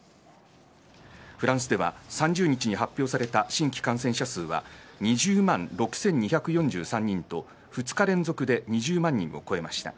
フランスでは３０日に発表された新規感染者数は２０万６２４３人と２日連続で２０万人を超えました。